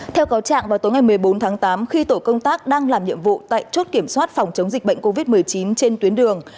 theo cáo trạng vào tối ngày một mươi bốn tháng tám khi tổ công tác đang làm nhiệm vụ tại chốt kiểm soát phòng chống dịch bệnh covid một mươi chín trên tuyến đường